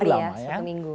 beberapa hari ya satu minggu